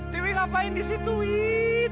tiwi ngapain di situ wih